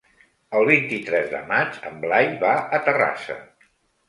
El vint-i-tres de maig en Blai va a Terrassa.